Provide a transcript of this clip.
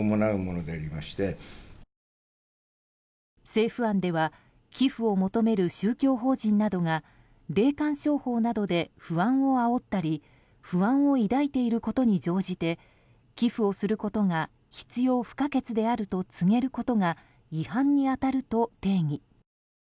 政府案では寄付を求める宗教法人などが霊感商法などで不安をあおったり不安を抱いていることに乗じて寄付をすることが必要不可欠であると告げることが違反に当たると定義。